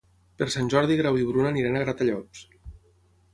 Per Sant Jordi en Grau i na Bruna iran a Gratallops.